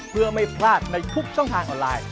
เพื่อไม่พลาดในทุกช่องทางออนไลน์